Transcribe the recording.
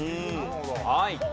はい。